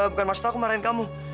bukan maksud aku marahin kamu